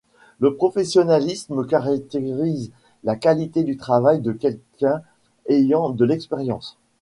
Le professionnalisme caractérise la qualité du travail de quelqu'un ayant de l'expérience.